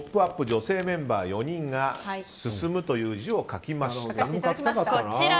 女性メンバー４人が「進」という字を書きました。